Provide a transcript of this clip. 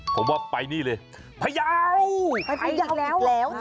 ผมว่าไปนี้เลยพายาว